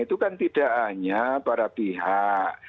itu kan tidak hanya para pihak